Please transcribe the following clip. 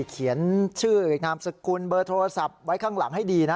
เขียนชื่อนามสกุลเบอร์โทรศัพท์ไว้ข้างหลังให้ดีนะ